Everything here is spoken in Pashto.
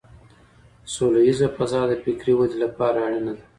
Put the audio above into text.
سوله ييزه فضا د فکري ودې لپاره اړينه ده.